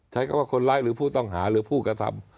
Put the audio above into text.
ใช้คำว่าคนร้ายหรือผู้ต้องหาหรือผู้กระทำ